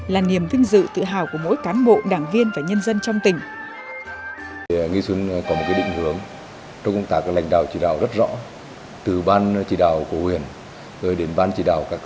là niềm vinh dự tự hào của mỗi cán bộ đảng viên và nhân dân trong tỉnh